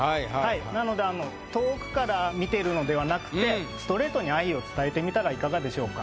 なので遠くから見てるのではなくてストレートに愛を伝えてみたらいかがでしょうか？